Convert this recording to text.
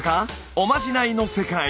おまじないの世界。